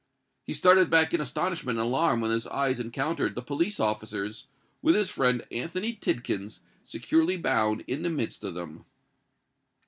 He started back in astonishment and alarm when his eyes encountered the police officers, with his friend Anthony Tidkins securely bound in the midst of them.